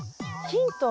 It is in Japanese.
ヒント？